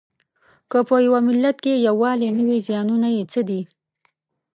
که په یوه ملت کې یووالی نه وي زیانونه یې څه دي؟